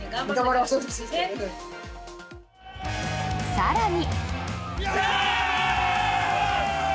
更に。